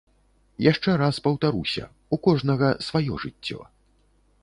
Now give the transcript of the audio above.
Яшчэ раз паўтаруся, у кожнага сваё жыццё.